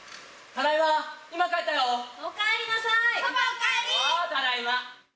おかえりなさい。